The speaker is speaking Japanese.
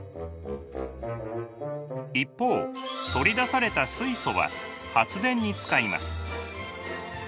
一方取り出された水素は発電に使います。